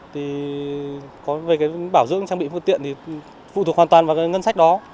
thì có về cái bảo dưỡng trang bị phương tiện thì phụ thuộc hoàn toàn vào ngân sách đó